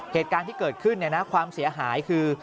เหตุการณ์ที่เกิดขึ้นความเสียหายคือ